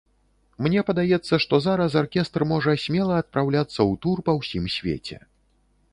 Мне падаецца, што зараз аркестр можа смела адпраўляцца ў тур па ўсім свеце.